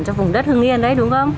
cho vùng đất hương nghiên đấy đúng không